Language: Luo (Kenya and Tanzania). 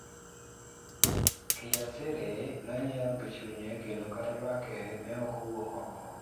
Kijasiri nonyiero gichunye kendo kata lake ne okowuok oko.